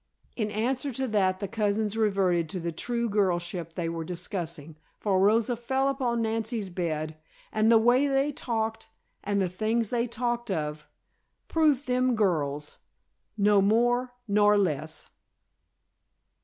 In answer to that the cousins reverted to the true girlship they were discussing, for Rosa fell upon Nancy's bed, and the way they talked, and the things they talked of, proved them girls, no more nor less.